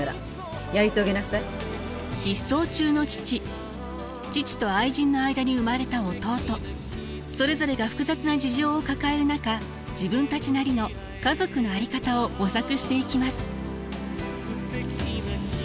失踪中の父父と愛人の間に生まれた弟それぞれが複雑な事情を抱える中自分たちなりの家族の在り方を模索していきます。